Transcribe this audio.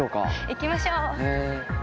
行きましょう！